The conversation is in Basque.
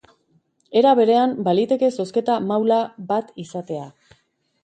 Era berean, baliteke zozketa maula bat izatea.